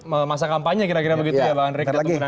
ke lampanya kira kira begitu ya pak andre